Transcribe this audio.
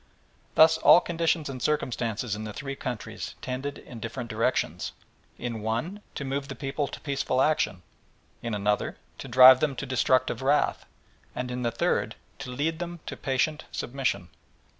Thus all the conditions and circumstances in the three countries tended in different directions in one, to move the people to peaceful action; in another, to drive them to destructive wrath; and in the third, to lead them to patient submission.